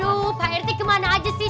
aduh pak herti kemana aja sih